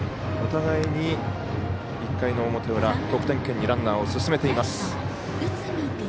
お互いに１回の表裏得点圏にランナーを進めています。